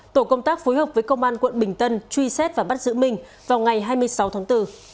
tổ công tác phối hợp với công an quận bình tân truy xét và bắt giữ minh vào ngày hai mươi sáu tháng bốn